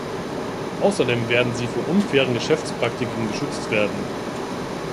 Außerdem werden sie vor unfairen Geschäftspraktiken geschützt werden.